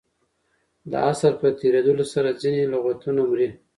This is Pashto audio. د عصر په تېرېدلو سره ځیني لغتونه مري.